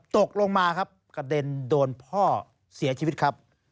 ตกลงมาครับกระเด็นโดนพ่อเสียชีวิตครับ